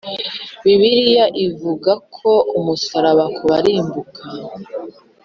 bibiliya ivuga ko umusaraba ku barimbuka